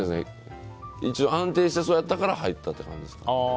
一応、安定してそうやったから入ったって感じです。